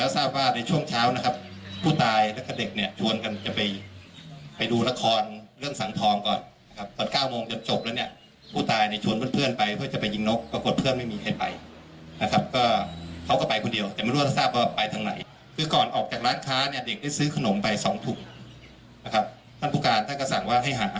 ซื้อขนมไปสองถุงท่านผู้การท่านก็สั่งว่าให้หา